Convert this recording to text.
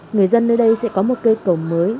người dân nơi đây sẽ có một cây cầu mới